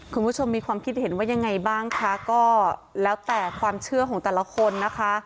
คุณผู้ชมมีความคิดเห็นว่ายังไงบ้างคะก็แล้วแต่ความเชื่อของแต่ละคนนะคะ